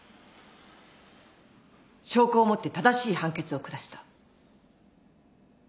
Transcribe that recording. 証拠をもって正しい判決を下した。